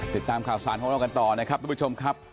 ติดตามข่าวสารของเรากันต่อนะครับทุกผู้ชมครับ